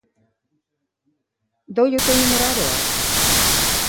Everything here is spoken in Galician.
Doulle o teu número a Aroa?